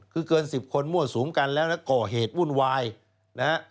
คือเกิน๑๐คนมั่วสูงกันแล้วก่อเหตุภูมิไวน์